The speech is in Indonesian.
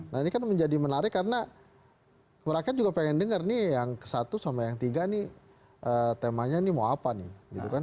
nah ini kan menjadi menarik karena rakyat juga pengen dengar nih yang satu sama yang tiga nih temanya ini mau apa nih gitu kan